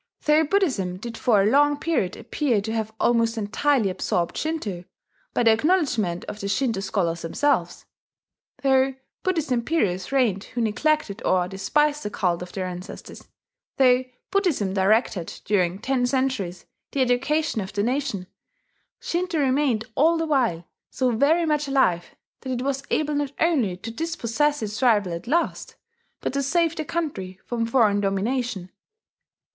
Though Buddhism did for a long period appear to have almost entirely absorbed Shinto, by the acknowledgment of the Shinto scholars themselves; though Buddhist emperors reigned who neglected or despised the cult of their ancestors; though Buddhism directed, during ten centuries, the education of the nation, Shinto remained all the while so very much alive that it was able not only to dispossess its rival at last, but to save the country from foreign domination.